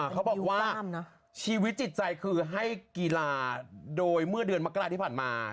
เขาบอกว่าชีวิตจิตใจคือให้กีฬาโดยเมื่อเดือนมกราที่ผ่านมา